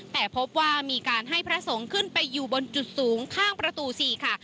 แต่พบว่ามีการให้พระสงฆ์ขึ้นไปอยู่บนจุดสูงข้างประตู๔ค่ะ